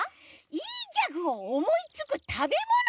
いいギャグをおもいつくたべもの？